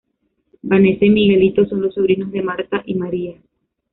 Vanessa y Miguelito son los sobrinos de Marta y Maria.